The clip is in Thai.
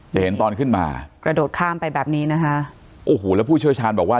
เห็นตอนขึ้นมากระโดดข้ามไปแบบนี้นะคะโอ้โหแล้วผู้เชี่ยวชาญบอกว่า